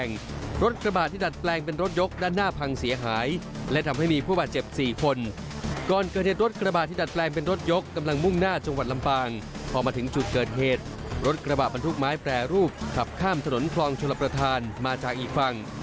พอมาถึงจุดเกิดเหตุรถกระบะบรรทุกไม้แปรรูปขับข้ามถนนคลองชลประธานมาจากอีกฝั่ง